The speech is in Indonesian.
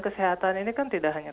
kesehatan ini kan tidak hanya